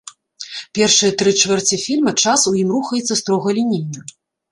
Першыя тры чвэрці фільма час у ім рухаецца строга лінейна.